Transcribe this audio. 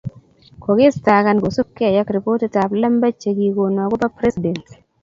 kokiistakan kosupgei ak ripotitab lembech chekikon akobo president